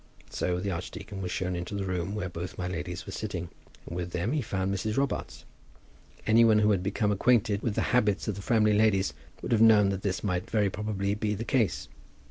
So the archdeacon was shown into the room where both my ladies were sitting, and with them he found Mrs. Robarts. Any one who had become acquainted with the habits of the Framley ladies would have known that this might very probably be the case.